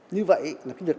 như vậy là kinh doanh